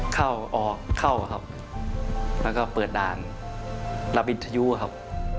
เข้าออกเข้าครับแล้วก็เปิดด่านระบินทยุครับ